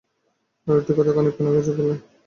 আরেকটি কথা, খানিকক্ষণ আগে যে বললেন।